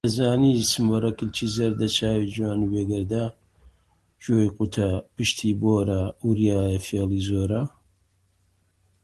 بێحەد گەمژەیت.